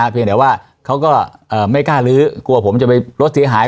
เพียงแต่ว่าเขาก็ไม่กล้าลื้อกลัวผมจะไปรถเสียหาย